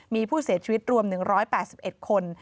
มีผู้เสียชีวิตรวม๑๘๑คน